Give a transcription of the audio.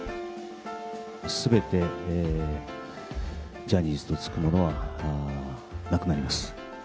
すべて、ジャニーズとつくものはなくなります。